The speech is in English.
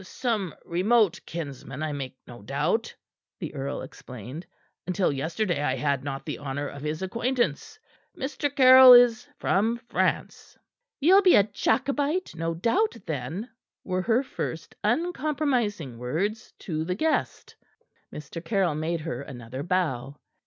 "Some remote kinsman, I make no doubt," the earl explained. "Until yesterday I had not the honor of his acquaintance. Mr. Caryll is from France." "Ye'll be a Jacobite, no doubt, then," were her first, uncompromising words to the guest. Mr. Caryll made her another bow.